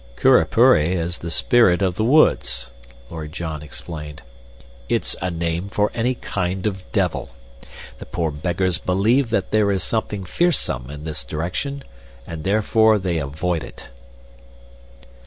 "Curupuri is the spirit of the woods," Lord John explained. "It's a name for any kind of devil. The poor beggars think that there is something fearsome in this direction, and therefore they avoid it."